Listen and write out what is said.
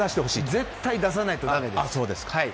絶対出さないとだめです。